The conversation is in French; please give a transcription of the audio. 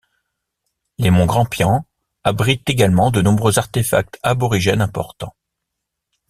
Les monts Grampians abritent également de nombreux artéfacts aborigènes importants.